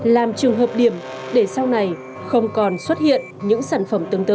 làm trường hợp điểm để sau này không còn xuất hiện những sản phẩm tương tự